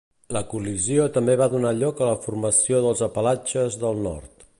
La col·lisió també donà lloc a la formació dels Apalatxes del nord.